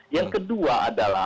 yang kedua adalah